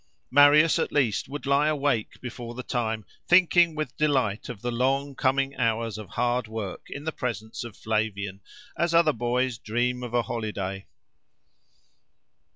Marius, at least, would lie awake before the time, thinking with delight of the long coming hours of hard work in the presence of Flavian, as other boys dream of a holiday.